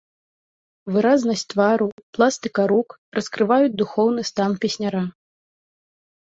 Выразнасць твару, пластыка рук раскрываюць духоўны стан песняра.